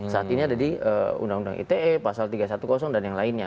saat ini ada di undang undang ite pasal tiga ratus sepuluh dan yang lainnya